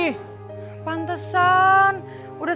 sampai jumpa lagi